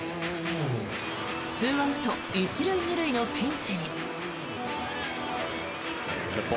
２アウト１塁２塁のピンチに。